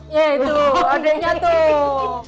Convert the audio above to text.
yeay tuh adeknya tuh